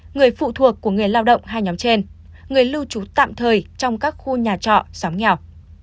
người phụ thuộc của người lao động hai nhóm trên người lưu trú tạm thời trong các khu nhà trọ xóm nghèo